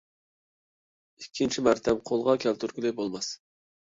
ئىككىنچى مەرتەم قولغا كەلتۈرگىلى بولماس.